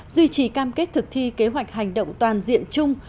duy trì cam kết thực thi kế hoạch hành động toàn diện chung